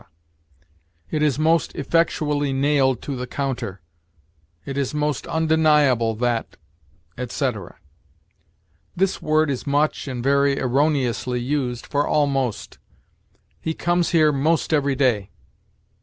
"it is most effectually nailed to the counter"; "it is most undeniable that," etc. This word is much, and very erroneously, used for almost. "He comes here most every day."